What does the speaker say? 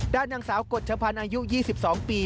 ด้านหนังสาวกดชะพานอายุ๒๒ปี